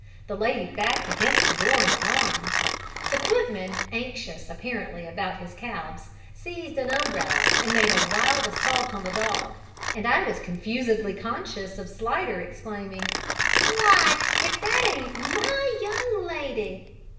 The lady backed against the door in alarm. The footman, anxious apparently about his calves, seized an umbrella and made a wild assault on the dog, and I was confusedly conscious of Slidder exclaiming, "Why, if that ain't my young lady!"